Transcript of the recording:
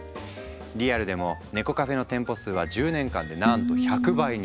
リアルでも猫カフェの店舗数は１０年間でなんと１００倍に。